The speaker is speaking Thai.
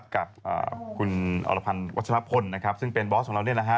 กับคุณอรพันวัชฌนพลซึ่งเป็นบอสของเรา